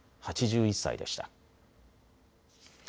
８１歳でした。